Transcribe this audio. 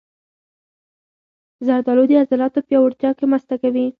زردالو د عضلاتو پیاوړتیا کې مرسته کوي.